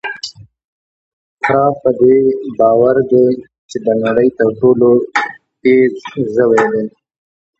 خره په دې باور دی چې د نړۍ تر ټولو تېز ژوی دی.